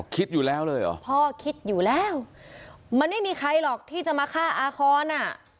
คิดอยู่แล้วเลยเหรอพ่อคิดอยู่แล้วมันไม่มีใครหรอกที่จะมาฆ่าอาคอนอ่ะ